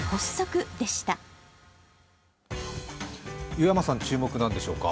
湯山さん、注目なんでしょうか？